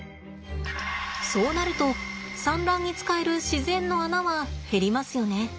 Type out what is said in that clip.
そうなると産卵に使える自然の穴は減りますよね。